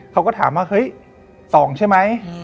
เขาก็ถามว่าเฮ้ย๒ใช่ไหม